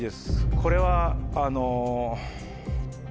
これはあの。